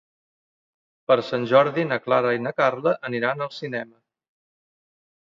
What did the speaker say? Per Sant Jordi na Clara i na Carla aniran al cinema.